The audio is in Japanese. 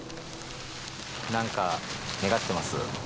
何か願ってます？